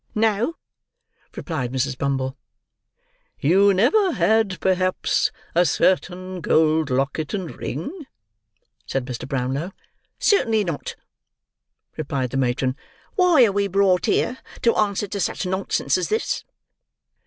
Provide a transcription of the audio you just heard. "No," replied Mrs. Bumble. "You never had, perhaps, a certain gold locket and ring?" said Mr. Brownlow. "Certainly not," replied the matron. "Why are we brought here to answer to such nonsense as this?"